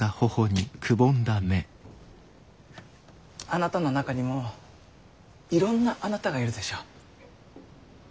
あなたの中にもいろんなあなたがいるでしょう。